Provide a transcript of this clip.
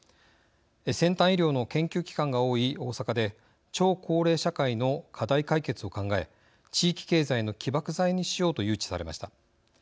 先端医療の研究機関が多い大阪で超高齢社会の課題解決を考え地域経済の起爆剤にしようと誘致されました。